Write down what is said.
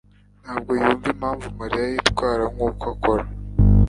ntabwo yumva impamvu Mariya yitwara nkuko akora.